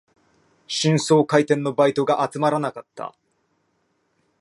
新装開店のバイトが集まらなかった